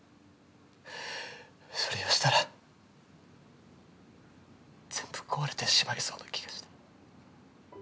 それをしたら全部壊れてしまいそうな気がして。